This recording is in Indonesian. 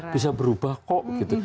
bisa berubah kok